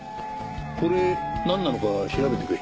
これなんなのか調べてくれ。